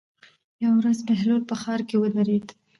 یوه ورځ بهلول په ښار کې ودرېد.